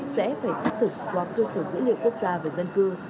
sẽ phải xác thực qua cơ sở dữ liệu quốc gia về dân cư